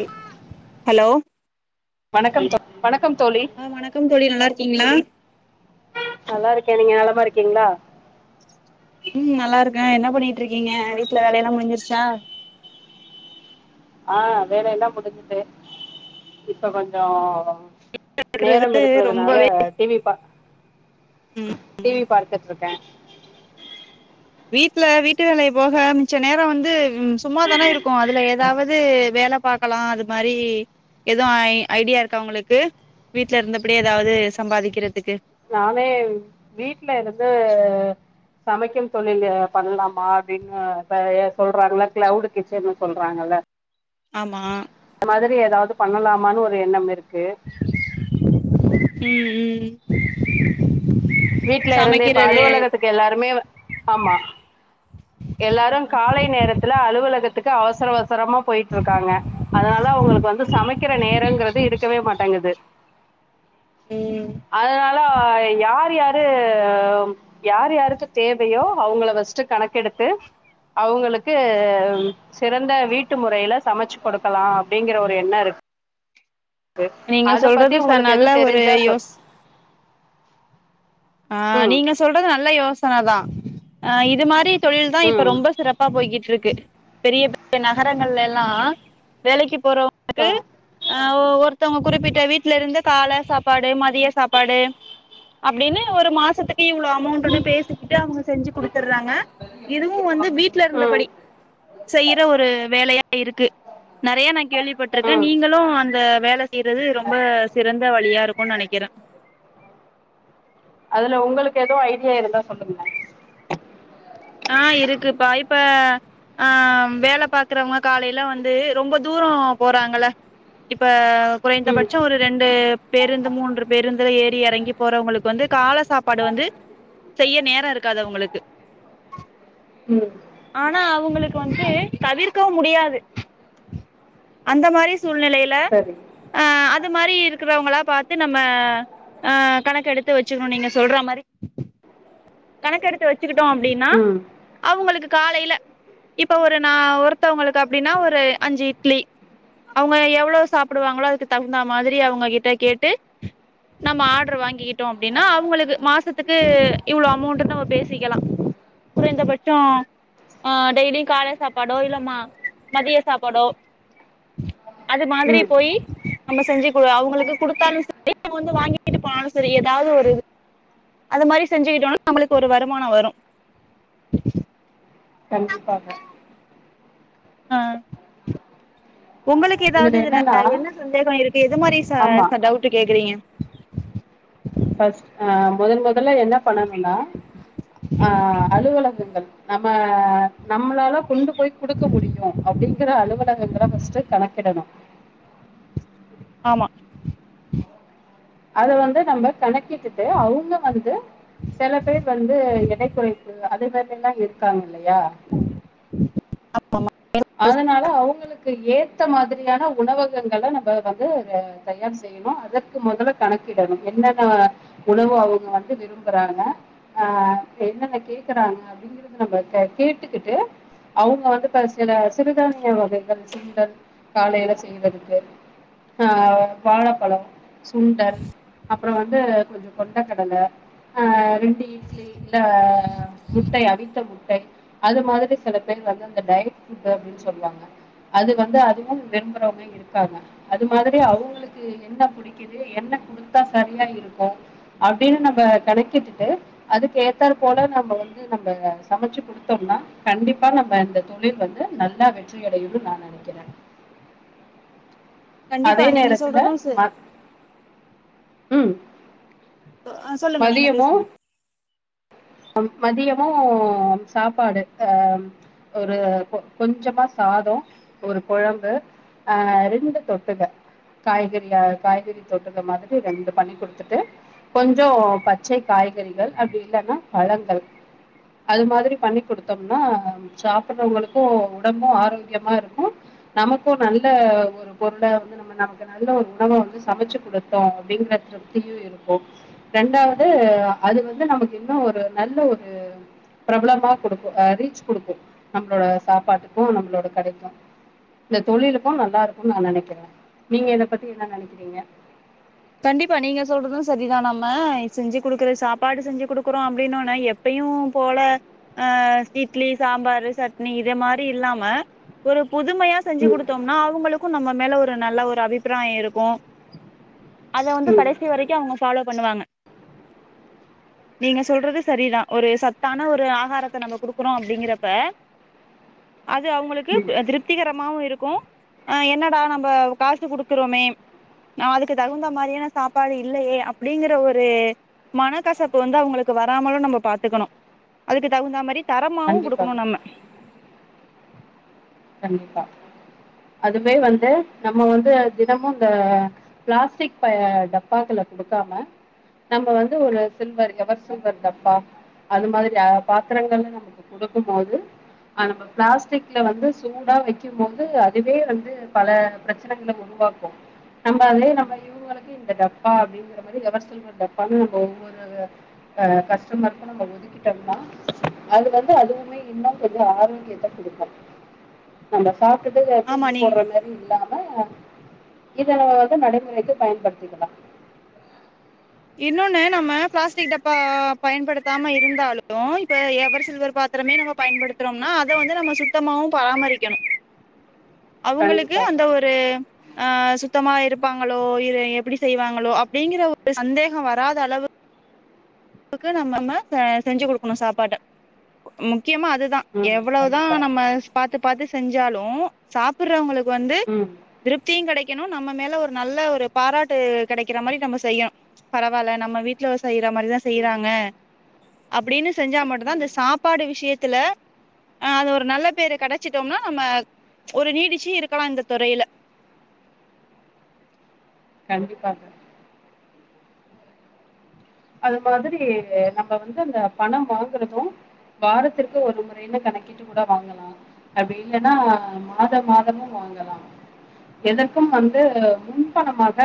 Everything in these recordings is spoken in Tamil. ஐ ஹலோ வணக்கம்ப்பா வணக்கம் தோழி ஆ வணக்கம் தோழி நல்லா இருக்கீங்களா நல்லா இருக்கே நீங்க நலமா இருக்கீங்களா ம் நல்லா இருக்க என்ன பண்ணிட்டு இருக்கீங்க வீட்ல வேலையெல்லா முடிஞ்சிருச்சா ஆ வேல எல்லாம் முடிஞ்சுது இப்ப கொஞ்சோ நேரம் இருக்கறதுனால ரொம்பவே டி வி பா டி வி பார்த்துட்டு இருக்க வீட்ல வீட்டு வேலைய போக மிச்ச நேரோ வந்து சும்மாதான இருக்கோ அதுல ஏதாவது வேல பாக்கலா அது மாரி எது ஐ ஐடியா இருக்கா உங்களுக்கு வீட்ல இருந்தபடியே ஏதாவது சம்பாதிக்கிறதுக்கு நானே வீட்ல இருந்து சமைக்கும் தொழில்லு பண்லாமா அப்டின்னு ச நறைய சொல்றாங்கள கிளவுடு கிச்சன்னு சொல்றாங்கள ஆமா அந்த மாதிரி ஏதாவது பண்ணலாமான்னு ஒரு எண்ணம் இருக்கு ம் ம் வீட்ல இருந்தே இப்ப சமைக்கிறது அலுவலகத்துக்கு எல்லாருமே ஆமா எல்லாரும் காலை நேரத்துல்ல அலுவலகத் த்துக்கு அவசர அவசரமா போயிட்டு இருக்காங்க அதனால அவுங்களுக்கு வந்து சமைக்கிற நேரங்கறது இருக்கவே மாட்டேங்குது [inaudible] ம் அதனால யார் யாரு யார் யாருக்கு தேவையோ அவுங்கள ஃபஸ்ட்டு கணக்கெடுத்து அவுங்களுக்கு சிறந்த வீட்டு முறையில சமைச்சு கொடுக்கலா அப்டிங்கிற ஒரு எண்ணோ இருக்கு நீங்க அத பத்தி சொல்றது ச உங்களுக்கு நல்ல எதுவும் ஒரு தெரிஞ்சா சொ யோஸ் ஆ ம் நீங்க சொல்றது நல்ல யோசன தா ஆ இது மாரி தொழில் தா இப்ப ம் ரொம்ப சிறப்பா போய்க்கிட்டுருக்கு பெரிய பெ ய நகரங்கள்ல எல்லா வேலைக்கு ஆ போறவுங்களுக்கு அ ஒ ஒருத்தவுங்க குறிப்பிட்ட வீட்ல இருந்து கால சாப்பாடு மதிய சாப்பாடு அப்டின்னு ஒரு மாசத்துக் கி இவ்ளௌ அமோண்ட்டுண்ணு பேசிக்கிட்டு அவுங்க செஞ்சு குடுத்துடுறாங்க இதுவு வந்து வீட்ல ம் இருந்தபடி செய்யற ஒரு வேலையா இருக்கு நறைய நா கேள்விப்பட்டிருக்க ம் நீங்களு அந்த வேல செய்றது ரொம்ப சிறந்த வழியா இருக்குனு நனைக்கிற அதுல உங்களுக்கு எது ஐடியா இருந்தா சொல்லுங்க ஆ இருக்குப்பா இப்ப ஆ வேல பாக்குறவங்க காலையில வந்து ரொம்ப தூரோ போறாங்கள இப்ப ம் குறைந்தபட்சோ ஒரு ரெண்டு பேருந்து மூன்று பேருந்துல ஏறி எறங்கி போறவுங்களுக்கு வந்து கால சாப்பாடு வந்து செய்ய நேரோ இருக்காது அவுங்களுக்கு ம் ஆனா அவுங்களுக்கு வந்து தவிர்க்கவு முடியாது அந்த மாரி சூழ்நலையில சரி அ அது மாரி இருக்கறவங்களா பார்த்து நம்ம ஆ கணக்கு எடுத்து வச்சுக்கணு நீங்க சொல்ற மாரி கணக்கெடுத்து வச்சுக்கிட்டோ அப்டின்னா ம் அவுங்களுக்கு காலையில இப்ப ஒரு நா ஒருத்தோங்ளுக்கு அப்டினா ஒரு அஞ்சு இட்லி அவங்க எவ்ளோ சாப்டுவாங்களோ அதுக்கு தகுந்த மாதிரி அவங்க கிட்ட கேட்டு நம்ம ஆர்டர் வாங்கிக்கிட்டோ அப்டினா அவுங்களுக்கு மாசத்துக்கு இவ்ளோ அமௌண்ட்டுனு நம்ம பேசிக்கலா குறைந்த பட்சோ ஆ டெய்லியு காலை சாப்பாடோ இல்ல ம மதிய சாப்பாடோ அது மாதிரி ம் போயி நம்ம செஞ்சுகுவோ அவுங்களுக்கு குடுத்தாலு செரி வந்து வாங்கி கிட்டு போனாலு செரி ஏதாது ஒரு இது அதுமாரி செஞ்சிக்கிட்டோனா நம்முளுக்கு ஒரு வருமானோ வரு கண்டிப்பாக ஆ ஆ உங்களுக்கு எதாவது இதுல என்னன்னா என்ன சந்தேகோ இருக்கு எது மாரி ச ஆமா டவுட் கேக்குறீங்க ஃபஸ்ட்டு ஆ மொதல் மொதல்ல என்ன பண்ணணுனா ஆ ம் அலுவலகங்கள் நம்ம நம்மளால கொண்டு போய் குடுக் க முடியு அப்டிங்கற அலுவலகங்கள ஃபஸ்ட்டு கணக்கிடணு ஆமா அது வந்து நம்ம கணக் கிட்டுட்டு அவுங்க வந்து சில பேர் வந்து எடை குறைப்பு அதேமாரி எல்லா இரு க்காங்க இல்லயா [inaudible] அ ஆமா அதனால அவுங்களுக்கு ஏத்த மாதிரியான உணவகங்கள நம்ம வந்து தயார் செய் அதற்கு மொதல்ல கணக்கிடணு என்னென்ன உணவு அவுங்க வந்து விரும்புறாங்க ஆ என்னென்ன கேக்குறாங்க அப்டின் நம்ம இப்ப கேட்டுக்குட்டு அவுங்க வந்து ப சில சிறுதானிய வகைகள் சுண்டல் காலைல செய்றதுக்கு ஆ வாழப்பழம் சுண்டல் அப்றோ வந்து கொஞ்சோ கொண்ட கடலை அ ரெண்டு இட்லி இல்ல முட்டை அவித்த முட்டை அது மாதிரி சில பேர் வந்து அந்த டயட் ஃபுட்டு அப்டின் சொல்லுவாங்க அது வந்து அதுவு விரும்புறோங்க இருக்காங்க அது மாதிரி அவுங்களுக்கு என்ன புடிக் குது என்ன குடுத்தா சரியா இருக்கு அப்டின் நம்ம கணக்கிட்டுட்டு அதுக்கு ஏத்தார் போல நம்ம வந்து நம்ம சமைச்சு குடுத்தோம்னா கண்டிப்பா நம்ம இந்த தொழில் வந்து நல்லா வெற்றி அடையடுன் நா நனைக்குற கண்டிப்பா அதே நீங்க நேரத்துல சொல்றது ச மத் ம் ஆ சொல்லுங்க நீங்க பேசுங்க மதியமு சாப்பாடு அ ஒரு கொஞ்சமா சாதோ ஒரு கொழம்பு ஆ ரெண்டு தொட்டுக்க காய்கறியா காய்கறி தொட்டுக்க மாதிரி ரெண்டு பண்ணி குடுத்துட்டு கொஞ்சோ பச்சை காய்கறிகள் அப்டி இல்லன்னா பழங்கள் அது மாதிரி பண்ணி குடுத்தோம்னா சாப்பட்றவங்களுக்கு உடம்பு ஆரோக்கியமா இருக்கு நமக்கு நல்ல ஒரு பொருளா வந்து நம்ம நமக்கு நல்ல ஒரு உணவ வந்து சமச்சு குடுத்தோ அப்டிங்ற திருப்தியு இருக்கு ரெண்டாவது அது வந்து நமக்கு இன்னு ஒரு நல்ல ஒரு பிரபலமா குடுக்கு ரீச் குடுக்கு நம்மளோட சாப்பாட்டுக்கு நம்மளோட கடைக்கு இந்த தொழிலுக்கு நல்லா இருக்கும்னு நா நெனக்கிறே நீங்க இத பத்தி என்ன நெனக்கிறீங்க கண்டிப்பா நீங்க சொல்றதும் சரிதான் நம்ம செஞ்சு குடுக்குற சாப்பாடு செஞ்சு கொடுக்குறோம் அப்டினொன இப்பயும் போல ஆ இட்லி சாம்பாரு சட்னி இதெ மாரி இல்லாம ஒரு புதுமையா செஞ்சு ம், குடுத்தோம்னா அவங்களுக்கும் நம்ம மேல ஒரு நல்ல ஒரு அபிப்ராயம் இருக்கும் அத வந்து ம், கடைசி வரைக்கும் அவங்க ஃபாலோ பண்ணுவாங்க நீங்க சொல்றது சரிதா ஒரு சத்தான ஒரு ஆகாரத்த நம்ம குடுக்குறோம் அப்டிங்கிறப்ப அது அவங்களுக்கு ம். திரு திருப்திகரமாவு இருக்கும் என்னடா நம்ம காசு குடுக்குறோமே நா அது க்கு தகுந்த மாரிய சாப்பாடு இல்லையே அப்படிங்கிற ஒரூ மனக்கசப்பு வந்து அவங்களுக்கு வராமலும் நம்ம பாத்துக்கணும் அதுக்கு தகுந்த மரி தரமாவும் குடுக்குணும் கண்டிப்பாக நம்ம கண்டிப்பா அதுவே வந்து நம்ம வந்து தினமும் ந்த ப்ளாஸ்டிக் ப டப்பாக்கள குடுக்காம நம்ம வந்து ஒரு சில்வர் எவர் சில்வர் டப்பா அது மாதிரி பாத்திரங்கள்ல் கொடுக்கும் போது நம்ம ப்ளாஸ்டிக்ல வந்து சூடா வெக்கும் போது அதுவே வந்து பல ப்ரச்சனகள உருவாக்கும் நம்ப அதயே நம்ம இவ்னுங்களுக்கு இந்த டப்பா அப்டிங்கிற மாரி எவர் சில்வர் டப்பான்னு [unintelligible] ஒவ்வொரு அஹ் கஷ்டமர்க்கு நம்ம ஒதுக் கிட்டம்னா அது வந்து அதுவுமே இன்னு கொஞ்சோ ஆரோக்கியத்தை குடுக்கு நம்ம சாப்டுட்டு ஆமா தூக்கி நீ போடுற மாரி இல்லாம் ம இதல்ல வந்து நடைமுறைக்கு பயன்படுத்திக்களா இன்னொன்னு நம்ம பிளாஸ்டிக் டப்பா பயன்படுத்தாம இருந்தாலு இப்ப எவர் சில்வர் பாத் திரமே நம்ம பயன்படுத்துறோம்னா அதை வந்து நம்ம சுத்தமாவு பராமரிக்கணு அவுங்களுக்கு அந்த கண்டிப்பாக ஒரு அது ஆஹ்ன் சுத்தமா இருப்பாங்களோ இரு எப்படி செய்வாங்களோ அப்படிங்கிற ஒரு சந்தேகம் வராத அளவு க்கு நம்ம செஞ்சு குடுக்கணு சாப்பாடு முக்கியமா அதுதான் ம் எவ்வளவுதான் கண்டிப்பாக நம்ம பாத்து பாத்து செஞ்சாலு சாப்டுறவங்களுக்கு வந்து ம் திருப்தியூ கிடைக்கணு நம்ம மேல ஒரு நல்ல ஒரு பாராட்டு கிடைக்கிற மாரி நம்ம செய்யணு பரவாயில்ல நம்ம வீட்ல செய்ற மாதிரிதான் ம் செய்றாங்க அப்படின்னு செஞ்சா மட்டும்தான் ம் அந்த சாப் பாடு விஷயத்துல ஆஹ்ன் அது ஒரு நல்ல பேரு கிடைச்சிட்டோம்னா நம்ம ஒரு நீடிச்சு இருக்கலா இந்த துறையில கண்டிப்பாங்க அது மாதிரி நம்ம வந்து அந்த பணம் வாங்குறது வாரத்திற்கு ஒரு முறைனு கணக்கிட்டு கூட வாங்கலா அப்டி இல்லன்னா மாத மாதமும் வாங்கலா எதற்கும் வந்து முன்பணமாக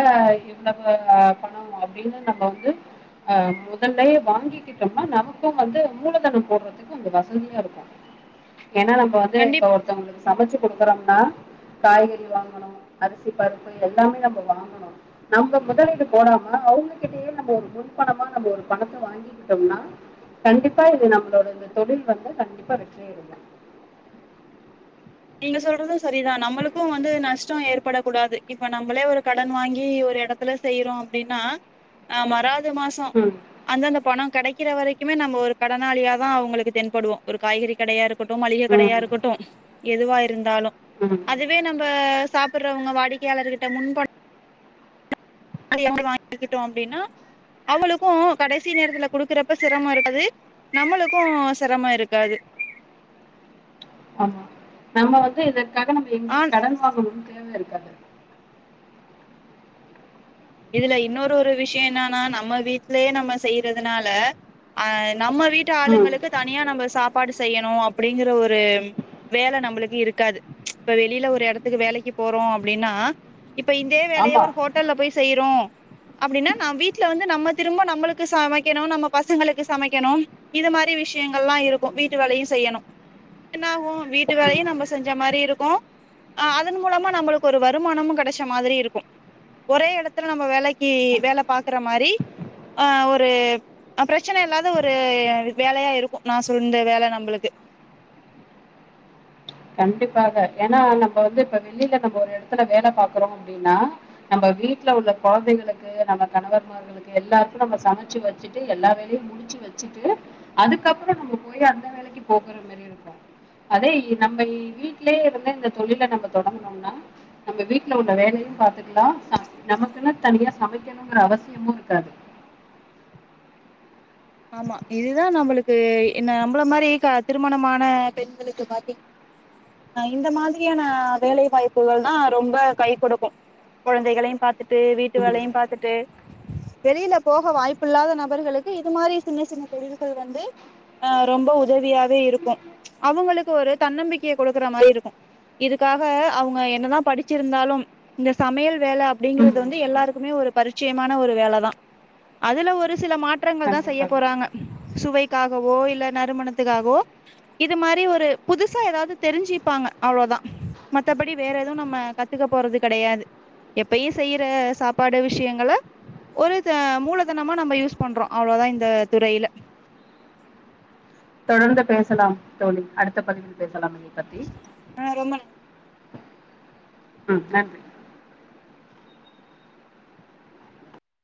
இவ்வளவு பணம் அப்டின்னு நம்ம வந்து அஹ் முதல்லேயே வாங்கிக்கிட்டம்னா நமக்கு வந்து மூலதனம் போடுறதுக்கு வந்து வசதியா இருக்கு ஏன்னா நம்ம வந்து கண்டிப் இப்ப ஒருத்தவங்களுக்கு சமைச்சு கொடுக்குறோம்னா காய்கறி வாங்கணு அரிசி பருப்பு எல்லாமே நம்ம வாங்கணு நம்ம முதலீடு போடாம அவுங்ககிட்டயே நம்ம ஒரு முன் பணமா நம்ம ஒரு பணத்தை வாங்கிக்கிட்டோம்னா கண்டிப்பா இது நம்மளோட இந்த தொழில் வந்து கண்டிப்பா வெற்றி அடையலாம் நீங்க சொல்றது சரிதா நம்பளுக்கு வந்து நஷ்டோ ஏற்பட கூடாது இப்ப நம்பளே ஒரு கடன் வாங்கி ஒரு எடத்த த்துல செய்றோ அப்டின்னா அ மராது மாசோ ம் அந்த அந்த பணோ கெடைக்கிற வரைக்குமே நம்ம ஒரு கடனாளியா தா அவுங்களுக்கு தென்படுவோ ஒரு காய்கறி கடயா இருக் கோட்டு மளிக கடையா ம் இருக்கோட்டு எதுவா இருந்தாலு ம் அதுவே நம்ப சாப்டுறவங்க வாடிக்கையாளர்கிட்ட முன்பண [inaudible] வாங்கிக்கிட்டோ அப்டின்னா அவுங்ளுக்கு கடைசி நேரத்துல குடுக்குறப்ப சிரமோ இருக்காது நம்மளுக்கு சிரமோ இருக்காது ஆமா நம்ம வந்து இதற்காக நம்ம ஆ எங்கியு கடன் வாங்கணுனு தேவருக்காது இதுல இன்னொரு ஒரு விஷ்யோ என்னன்னா நம்ம வீட்டுலயே நம்ம செய்யறதுனால அ நம்ம வீட்டு ம் ஆளுங்களுக்கு தனியா நம்ப சாப்பாடு செய்யணு அப்டிங்கற ஒரு வேல நம்பளுக்கு இருக்காது இப்ப வெளியில ஒரு எடத்துக்கு வேலைக்கு போறோ அப்டின்னா இப்ப இந்தே வேலய ஆமா ஒரு ஹோட்டல்ல போய் செய்யிறோ அப்டின்னா நா வீட்டல வந்து நம்ம திரும்ப நம்பளுக்கு சமக்கணு நம்ம பசங்களுக்கு சமக்கணு இத மாரி விஷ்யங்கள்ளா இருக்கு வீட்டு வேலையு செய்யணு என்னாகு வீட்டு ம் வேலையு நம்ப செஞ்ச மாரி இருக்கு அ அதன் மூலமா நம்பளுக்கு ஒரு வருமானமு கெடைச்ச மாதிரி இருக்கு ஒரே எடத் நம்ப வேலக்கி வேல பாக்குற மாரி ஆ ஒரு அ ப்ரச்சன இல்லாத ஒரு வேலையா இருக்கு நா சொன்ன இந்த வேல நம்பளுக்கு கண்டிப்பாக ஏன்னா நம்ப வந்து இப்ப வெளியில நம்ம ஒரு எடத்துல வேல பாக்குறோ அப்டின்னா நம்ப வீட்டுல உள்ள கொழந்தைகளுக்கு நம்ப கணவர் மார் களுக்கு எல்லாருக்கு நம்ப சமச்சு வச்சிட்டு எல்லா வேலையு முடிச்சு வச்சுட்டு அதுக்கப்பறோ நம்ப போய் அந்த வேலைக்கி போகுற மாரி இருக்கு அதே இப் நம்ப வீட்லேயே இருந்து இந்த தொழில நம்ம தொடங்கணும்னா நம்ப வீட்டுல உள்ள வேலயு பாத்துக்கலா நமக்குன்ன தனியா சமக்கணுங்கிற அவசியமு இருக்காது ஆமா இதுதா நம்பளுக்கு என்ன நம்பள மாரி திருமணமான பெண்களுக்கு பாத்தி அ இந்த மாதிரியான வேலை வாய்ப்புகள் தா ரொம்ப கை கொடுக்கு கொழந்தைகளையு பாத்துட் டு வீட்டு ம் வேலயு பாத்துட்டு வெளியில போக வாய்ப்பு இல்லாத நபர்களுக்கு இதுமாரி சின்ன சின்ன தொழில்கள் வந்து அ ரொம்ப உதவியாக இருக்கு அவுங்களுக்கு ஒரு தன்னம்பிக்கைய கொடுக்குற மாரி இருக்கு இதுக்காக அவுங்க என்னதா படிச்சிருந்தாலு இந்த சமையல் வேல அப்டிங்கறது ம் வந்து எல்லாருக்குமே ஒரு பரிச்சியமான ஒரு வேல தா அதுல ஒரு சில மாற்றங்கள் தா செய்ய கண்டிப்பாக போறாங்க சுவைக்காகவோ இல்ல நறுமணத்துக்காகவோ இது மாரி ஒரு புதுசா ஏதாவ்து தெரிஞ்சுப்பாங்க அவ்ளோதா மத்தபடி வேற எதுவு நம்ம கத்துக்க போறது கெடையாது எப்பயு செய்யிற சாப்பாடு விஷ்யங்கள ஒரு த மூலதனமா நம்ப யூஸ் பண்றோ அவ்ளோதா இந்த துறையில தொடர்ந்து பேசலா தோழி அடுத்த பதிவில் பேசலா இதை பத்தி ஆ ரொம்ப நல் ஆ கரெக்ட்டு